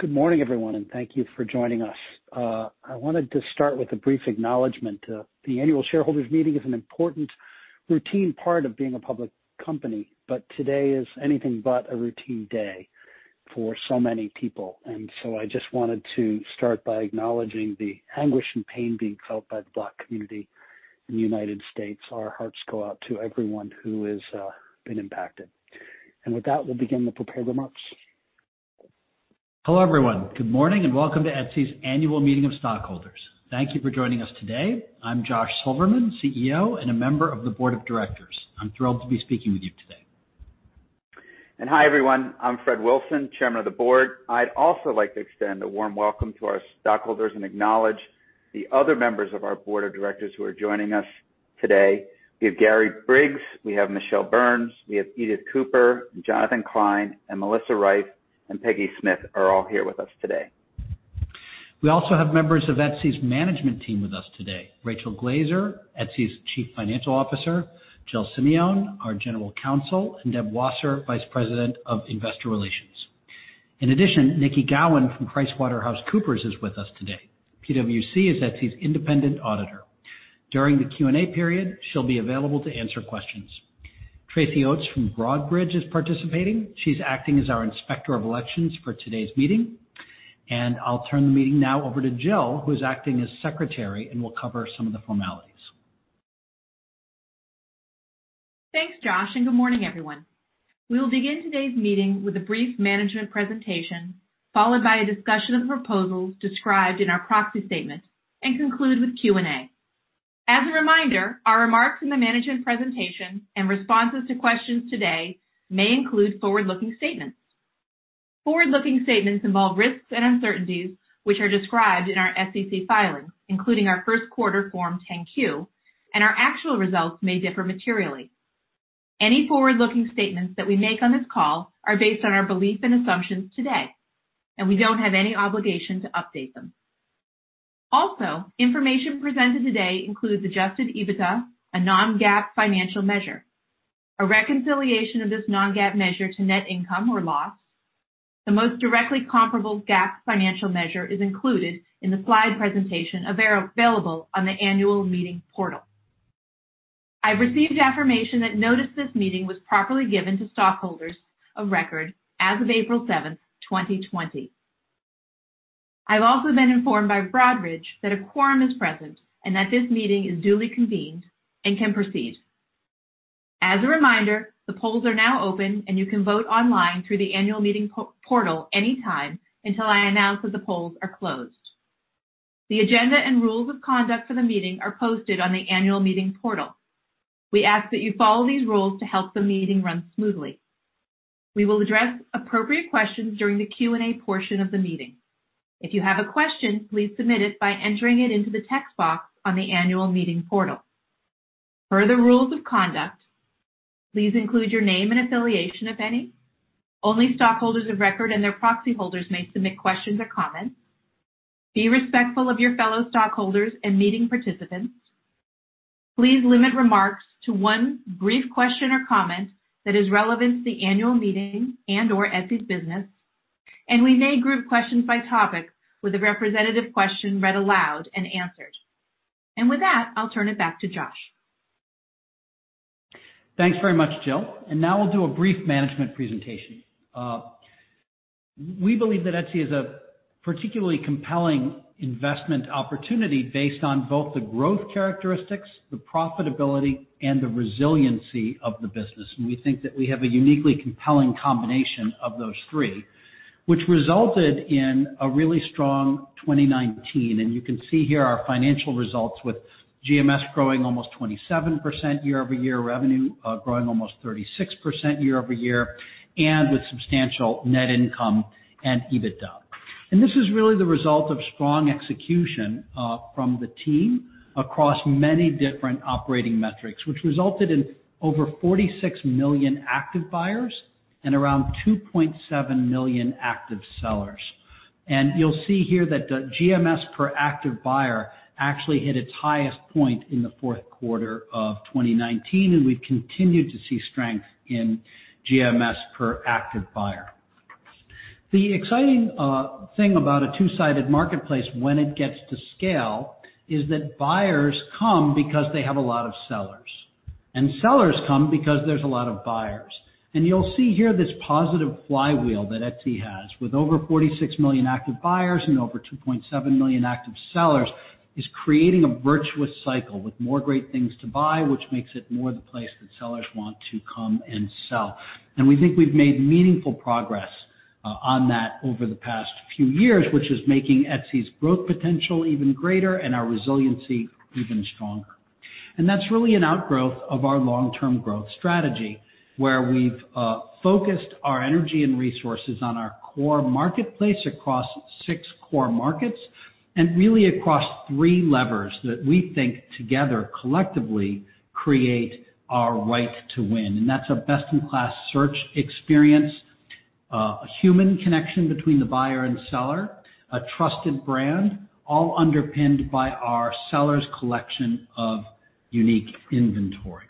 Good morning, everyone, and thank you for joining us. I wanted to start with a brief acknowledgment. The annual shareholders meeting is an important routine part of being a public company, but today is anything but a routine day for so many people. I just wanted to start by acknowledging the anguish and pain being felt by the Black community in the United States. Our hearts go out to everyone who has been impacted. With that, we'll begin the prepared remarks. Hello, everyone. Good morning, and welcome to Etsy's annual meeting of stockholders. Thank you for joining us today. I'm Josh Silverman, CEO, and a member of the board of directors. I'm thrilled to be speaking with you today. Hi, everyone. I'm Fred Wilson, Chairman of the Board. I'd also like to extend a warm welcome to our stockholders and acknowledge the other members of our Board of Directors who are joining us today. We have Gary Briggs, we have Michele Burns, we have Edith Cooper, Jonathan Klein, and Melissa Reiff, and Peggy Smyth are all here with us today. We also have members of Etsy's management team with us today. Rachel Glaser, Etsy's Chief Financial Officer, Jill Simeone, our General Counsel, and Deb Wasser, Vice President of Investor Relations. In addition, Nikki Gowan from PricewaterhouseCoopers is with us today. PwC is Etsy's independent auditor. During the Q&A period, she'll be available to answer questions. Tracy Oats from Broadridge is participating. She's acting as our inspector of elections for today's meeting. I'll turn the meeting now over to Jill, who's acting as secretary, and will cover some of the formalities. Thanks, Josh. Good morning, everyone. We will begin today's meeting with a brief management presentation, followed by a discussion of proposals described in our proxy statement, and conclude with Q&A. As a reminder, our remarks in the management presentation and responses to questions today may include forward-looking statements. Forward-looking statements involve risks and uncertainties, which are described in our SEC filings, including our first quarter Form 10-Q, and our actual results may differ materially. Any forward-looking statements that we make on this call are based on our belief and assumptions today, and we don't have any obligation to update them. Also, information presented today includes adjusted EBITDA, a non-GAAP financial measure. A reconciliation of this non-GAAP measure to net income or loss, the most directly comparable GAAP financial measure, is included in the slide presentation available on the annual meeting portal. I've received affirmation that notice this meeting was properly given to stockholders of record as of April 7th, 2020. I've also been informed by Broadridge that a quorum is present and that this meeting is duly convened and can proceed. As a reminder, the polls are now open, and you can vote online through the annual meeting portal anytime until I announce that the polls are closed. The agenda and rules of conduct for the meeting are posted on the annual meeting portal. We ask that you follow these rules to help the meeting run smoothly. We will address appropriate questions during the Q&A portion of the meeting. If you have a question, please submit it by entering it into the text box on the annual meeting portal. Per the rules of conduct, please include your name and affiliation, if any. Only stockholders of record and their proxy holders may submit questions or comments. Be respectful of your fellow stockholders and meeting participants. Please limit remarks to one brief question or comment that is relevant to the annual meeting and/or Etsy's business. We may group questions by topic with a representative question read aloud and answered. With that, I'll turn it back to Josh. Thanks very much, Jill. Now we'll do a brief management presentation. We believe that Etsy is a particularly compelling investment opportunity based on both the growth characteristics, the profitability, and the resiliency of the business. We think that we have a uniquely compelling combination of those three, which resulted in a really strong 2019. You can see here our financial results with GMS growing almost 27% year-over-year, revenue growing almost 36% year-over-year, and with substantial net income and EBITDA. This was really the result of strong execution from the team across many different operating metrics, which resulted in over 46 million active buyers and around 2.7 million active sellers. You'll see here that the GMS per active buyer actually hit its highest point in the fourth quarter of 2019, and we've continued to see strength in GMS per active buyer. The exciting thing about a two-sided marketplace when it gets to scale is that buyers come because they have a lot of sellers, and sellers come because there's a lot of buyers. You'll see here this positive flywheel that Etsy has with over 46 million active buyers and over 2.7 million active sellers, is creating a virtuous cycle with more great things to buy, which makes it more the place that sellers want to come and sell. We think we've made meaningful progress on that over the past few years, which is making Etsy's growth potential even greater and our resiliency even stronger. That's really an outgrowth of our long-term growth strategy, where we've focused our energy and resources on our core marketplace across six core markets and really across three levers that we think together collectively create our right to win, and that's a best-in-class search experience, a human connection between the buyer and seller, a trusted brand, all underpinned by our sellers collection of unique inventory.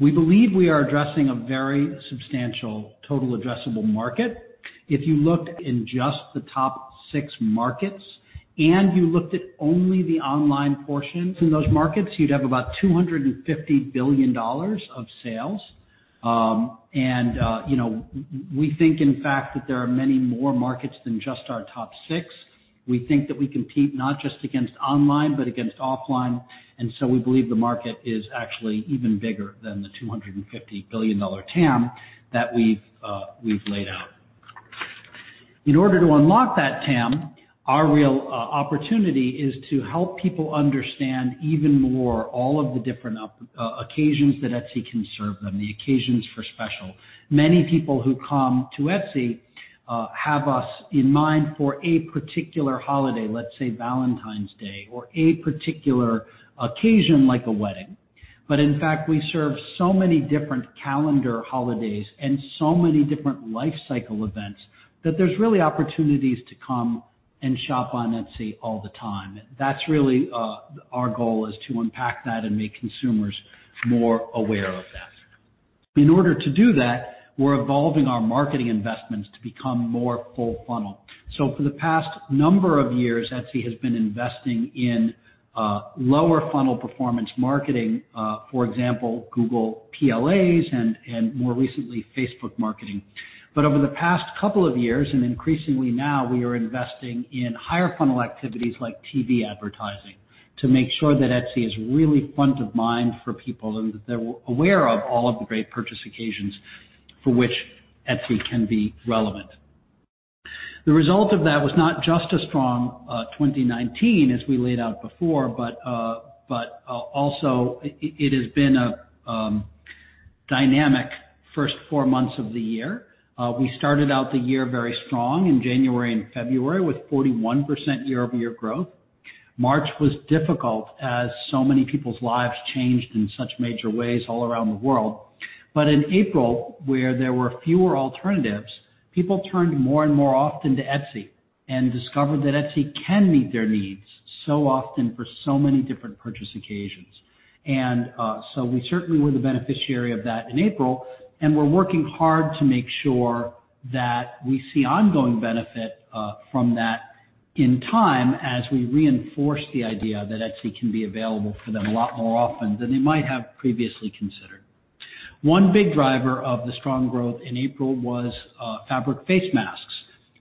We believe we are addressing a very substantial total addressable market. If you looked in just the top six markets, and you looked at only the online portions in those markets, you'd have about $250 billion of sales. We think, in fact, that there are many more markets than just our top six. We think that we compete not just against online, but against offline, we believe the market is actually even bigger than the $250 billion TAM that we've laid out. In order to unlock that TAM, our real opportunity is to help people understand even more all of the different occasions that Etsy can serve them, the occasions for special. Many people who come to Etsy have us in mind for a particular holiday, let's say Valentine's Day, or a particular occasion, like a wedding. In fact, we serve so many different calendar holidays and so many different life cycle events that there's really opportunities to come and shop on Etsy all the time. That's really our goal, is to unpack that and make consumers more aware of that. In order to do that, we're evolving our marketing investments to become more full funnel. For the past number of years, Etsy has been investing in lower funnel performance marketing, for example, Google PLAs, and more recently, Facebook marketing. Over the past couple of years, and increasingly now, we are investing in higher funnel activities like TV advertising to make sure that Etsy is really front of mind for people, and that they're aware of all of the great purchase occasions for which Etsy can be relevant. The result of that was not just a strong 2019, as we laid out before, but also it has been a dynamic first four months of the year. We started out the year very strong in January and February with 41% year-over-year growth. March was difficult, as so many people's lives changed in such major ways all around the world. In April, where there were fewer alternatives, people turned more and more often to Etsy and discovered that Etsy can meet their needs so often for so many different purchase occasions. We certainly were the beneficiary of that in April, and we're working hard to make sure that we see ongoing benefit from that in time, as we reinforce the idea that Etsy can be available for them a lot more often than they might have previously considered. One big driver of the strong growth in April was fabric face masks,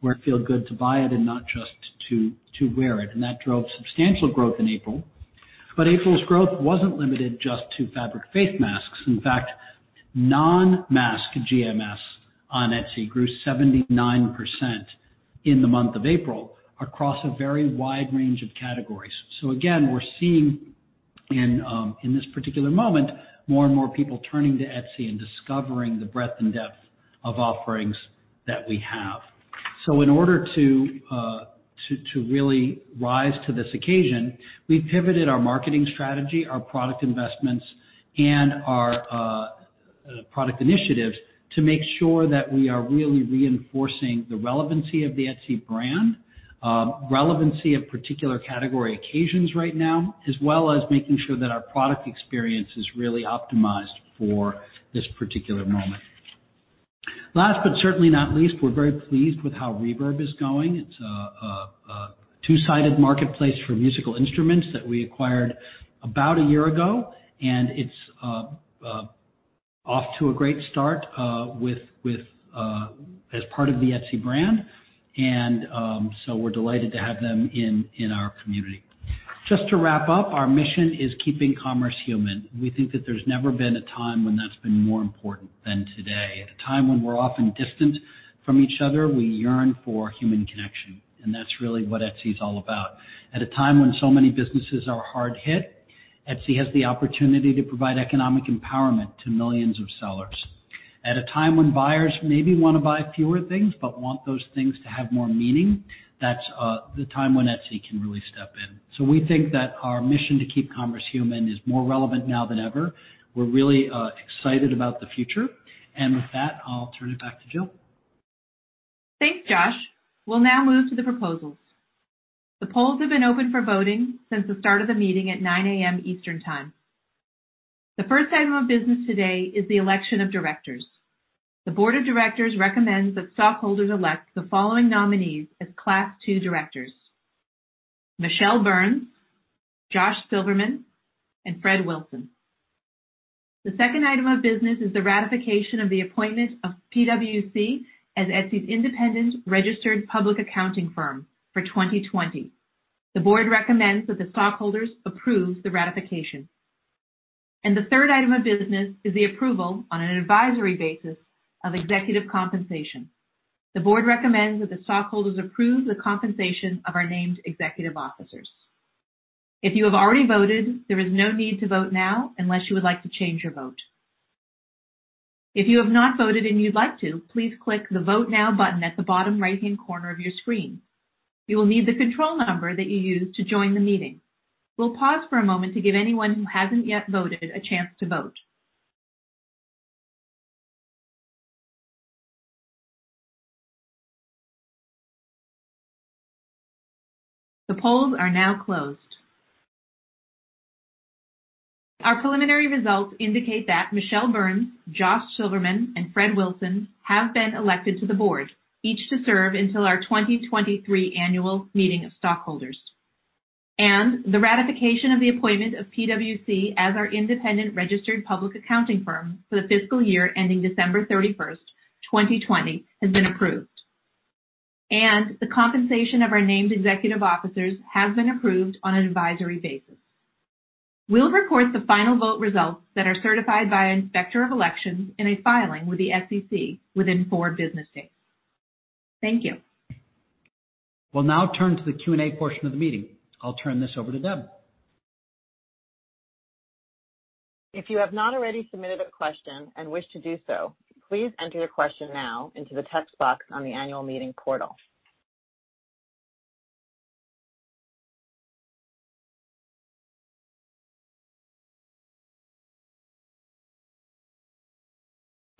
where it feels good to buy it and not just to wear it, and that drove substantial growth in April. April's growth wasn't limited just to fabric face masks. In fact, non-mask GMS on Etsy grew 79% in the month of April across a very wide range of categories. Again, we're seeing in this particular moment, more and more people turning to Etsy and discovering the breadth and depth of offerings that we have. In order to really rise to this occasion, we've pivoted our marketing strategy, our product investments, and our product initiatives to make sure that we are really reinforcing the relevancy of the Etsy brand, relevancy of particular category occasions right now, as well as making sure that our product experience is really optimized for this particular moment. Last, but certainly not least, we're very pleased with how Reverb is going. It's a two-sided marketplace for musical instruments that we acquired about a year ago, and it's off to a great start as part of the Etsy brand. We're delighted to have them in our community. Just to wrap up, our mission is keeping commerce human. We think that there's never been a time when that's been more important than today. At a time when we're often distant from each other, we yearn for human connection, that's really what Etsy is all about. At a time when so many businesses are hard hit, Etsy has the opportunity to provide economic empowerment to millions of sellers. At a time when buyers maybe want to buy fewer things want those things to have more meaning, that's the time when Etsy can really step in. We think that our mission to keep commerce human is more relevant now than ever. We're really excited about the future. With that, I'll turn it back to Jill. Thanks, Josh. We'll now move to the proposals. The polls have been open for voting since the start of the meeting at 9:00 A.M. Eastern Time. The first item of business today is the election of directors. The board of directors recommends that stockholders elect the following nominees as Class 2 directors: Michele Burns, Josh Silverman, and Fred Wilson. The second item of business is the ratification of the appointment of PwC as Etsy's independent registered public accounting firm for 2020. The board recommends that the stockholders approve the ratification. The third item of business is the approval on an advisory basis of executive compensation. The board recommends that the stockholders approve the compensation of our named executive officers. If you have already voted, there is no need to vote now unless you would like to change your vote. If you have not voted and you'd like to, please click the Vote Now button at the bottom right-hand corner of your screen. You will need the control number that you used to join the meeting. We'll pause for a moment to give anyone who hasn't yet voted a chance to vote. The polls are now closed. Our preliminary results indicate that Michele Burns, Josh Silverman, and Fred Wilson have been elected to the board, each to serve until our 2023 annual meeting of stockholders. The ratification of the appointment of PwC as our independent registered public accounting firm for the fiscal year ending December 31st, 2020, has been approved. The compensation of our named executive officers has been approved on an advisory basis. We'll report the final vote results that are certified by Inspector of Elections in a filing with the SEC within four business days. Thank you. We'll now turn to the Q&A portion of the meeting. I'll turn this over to Deb. If you have not already submitted a question and wish to do so, please enter your question now into the text box on the annual meeting portal.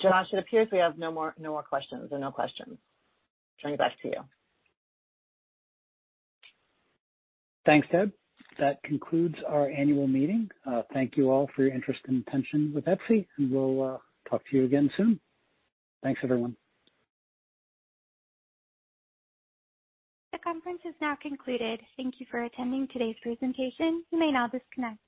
Josh, it appears we have no more questions or no questions. Turn it back to you. Thanks, Deb. That concludes our annual meeting. Thank you all for your interest and attention with Etsy, and we'll talk to you again soon. Thanks, everyone. The conference is now concluded. Thank you for attending today's presentation. You may now disconnect.